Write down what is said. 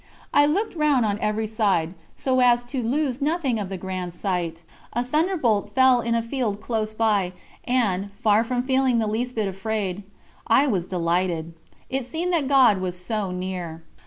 I looked round on every side, so as to lose nothing of the grand sight. A thunderbolt fell in a field close by, and, far from feeling the least bit afraid, I was delighted it seemed that God was so near.